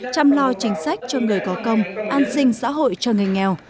chăm lo chính sách cho người có công an sinh xã hội cho người nghèo